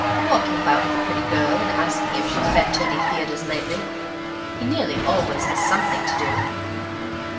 "Walking about with a pretty girl and asking her if she's been to any theatres lately. He nearly always had something to do."